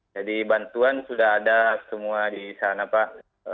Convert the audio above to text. bantuan sudah ada semua di sana pak